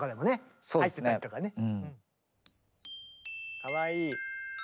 かわいい。